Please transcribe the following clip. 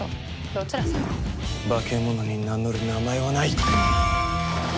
化け物に名乗る名前はない。